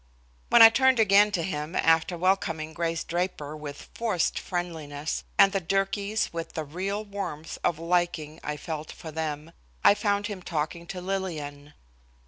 When I turned again to him after welcoming Grace Draper with forced friendliness, and the Durkees with the real warmth of liking I felt for them, I found him talking to Lillian.